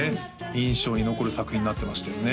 印象に残る作品になってましたよね